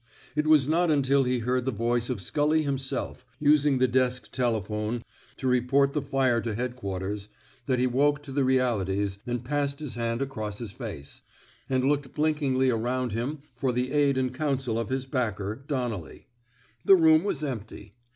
It was not nntil he heard the voice of Scully himself — using the desk telephone to report the fire to Headquarters — that he woke to the realities, and passed his hand across his face, and looked blinkingly around him for the aid and counsel of his backer, Donnelly. The room was empty.